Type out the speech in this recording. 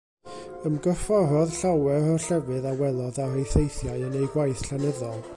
Ymgorfforodd llawer o'r llefydd a welodd ar ei theithiau yn ei gwaith llenyddol.